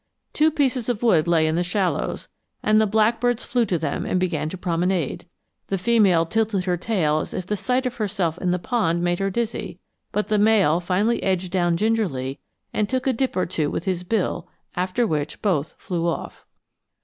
Two pieces of wood lay in the shallows, and the blackbirds flew to them and began to promenade. The female tilted her tail as if the sight of herself in the pond made her dizzy, but the male finally edged down gingerly and took a dip or two with his bill, after which both flew off.